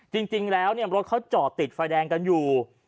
จริงแล้วรถเขาจอดติดไฟแดงกันอยู่